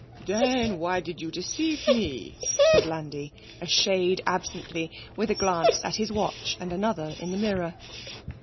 'Then why did you deceive me?' said Landi, a shade absently, with a glance at his watch and another in the mirror.